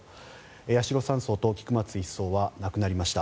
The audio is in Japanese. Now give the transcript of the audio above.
八代３曹と菊松１曹は亡くなりました。